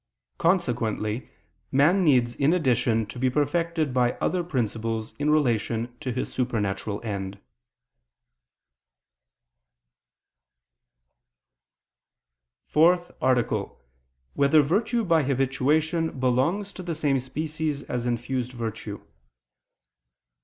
Consequently man needs in addition to be perfected by other principles in relation to his supernatural end. ________________________ FOURTH ARTICLE [I II, Q. 63, Art. 4] Whether Virtue by Habituation Belongs to the Same Species As Infused Virtue?